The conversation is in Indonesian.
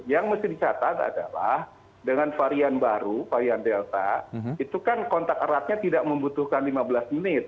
yang mesti dicatat adalah dengan varian baru varian delta itu kan kontak eratnya tidak membutuhkan lima belas menit